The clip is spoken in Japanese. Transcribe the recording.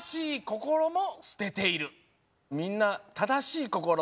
みんなただしいこころ